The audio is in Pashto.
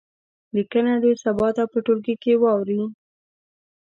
لیکنه دې سبا ته په ټولګي کې واوروي.